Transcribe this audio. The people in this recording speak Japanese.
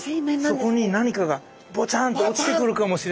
そこに何かがぼちゃんと落ちてくるかもしれない。